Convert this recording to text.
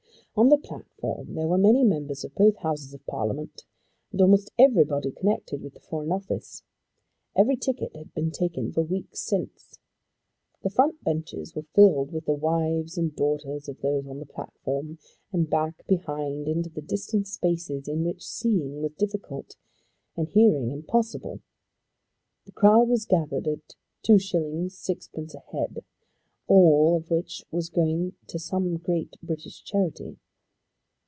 On the platform there were many members of both Houses of Parliament, and almost everybody connected with the Foreign Office. Every ticket had been taken for weeks since. The front benches were filled with the wives and daughters of those on the platform, and back behind, into the distant spaces in which seeing was difficult and hearing impossible, the crowd was gathered at 2_s._ 6_d._ a head, all of which was going to some great British charity.